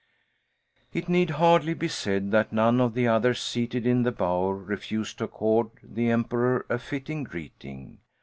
It need hardly be said that none of the others seated in the bower refused to accord the Emperor a fitting greeting.